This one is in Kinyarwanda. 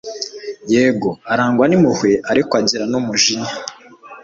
yego, arangwa n'impuhwe, ariko agira n'umujinya